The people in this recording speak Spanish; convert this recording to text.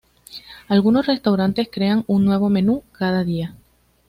Algunos restaurantes crean un nuevo menú cada día.